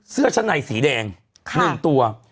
เสื้อชะไหนสีแดง๑ตัว